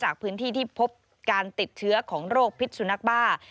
พื้นที่ที่พบการติดเชื้อของโรคพิษสุนัขบ้า